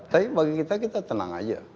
tapi bagi kita kita tenang aja